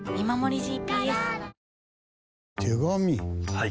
はい。